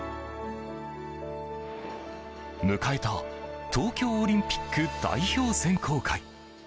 迎えた東京オリンピック代表選考会。